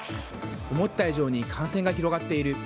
思った以上に感染が広がっている。